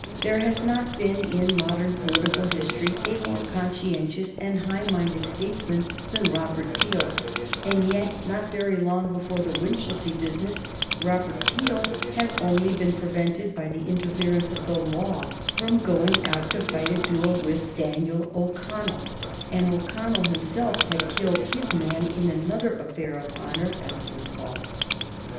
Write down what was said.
There has not been in modern political history a more conscientious and high minded statesman than Robert Peel, and yet not very long before the Winchilsea business Robert Peel had only been prevented by the interference of the law from going out to fight a duel with Daniel O'Connell, and O'Connell himself had killed his man in another affair of honor, as it was called.